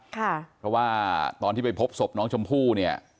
เพราะว่าตอนที่ไปพบศพน้องชมพู่เนี่ย